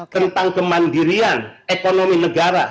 tentang kemandirian ekonomi negara